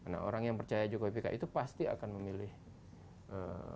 nah orang yang percaya jokowi pki itu pasti akan memilih ee